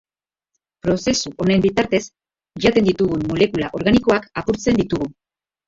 Prozesu honen bitartez, jaten ditugun molekula organikoak apurtzen ditugu.